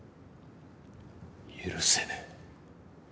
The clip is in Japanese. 許せねえ。